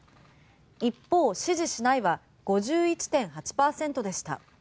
一方、支持しないは５１．８％でした。